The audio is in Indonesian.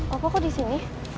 apa aku disini